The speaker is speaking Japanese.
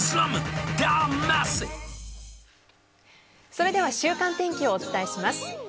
それでは週間天気をお伝えします。